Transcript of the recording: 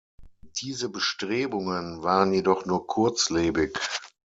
Diese Bestrebungen waren jedoch nur kurzlebig.